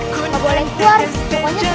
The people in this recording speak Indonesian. gak boleh keluar